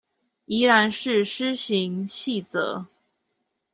宜蘭市施行細則